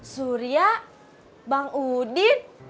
surya bang udin